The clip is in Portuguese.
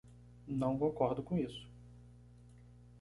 Não concordo com isso